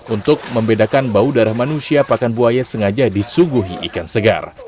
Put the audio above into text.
untuk membedakan bau darah manusia pakan buaya sengaja disuguhi ikan segar